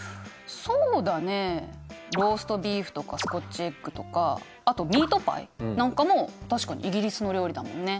そうだねローストビーフとかスコッチエッグとかあとミートパイなんかも確かにイギリスの料理だもんね。